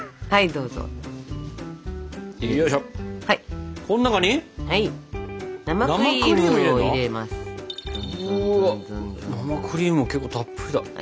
うわ生クリームが結構たっぷりだ。